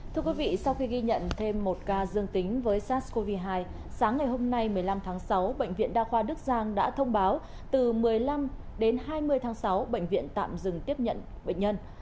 thưa quý vị sau khi ghi nhận thêm một ca dương tính với sars cov hai sáng ngày hôm nay một mươi năm tháng sáu bệnh viện đa khoa đức giang đã thông báo từ một mươi năm đến hai mươi tháng sáu bệnh viện tạm dừng tiếp nhận bệnh nhân